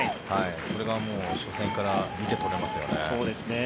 それが初戦から見て取れますよね。